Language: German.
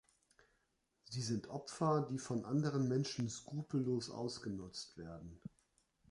Sie sind Opfer, die von anderen Menschen skrupellos ausgenutzt werden.